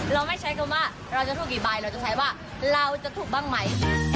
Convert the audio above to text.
เราไม่ใช้คำว่าเราจะถูกกี่ใบเราจะใช้ว่าเราจะถูกบ้างไหม